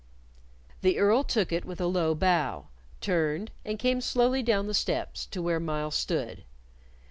The Earl took it with a low bow, turned, and came slowly down the steps to where Myles stood.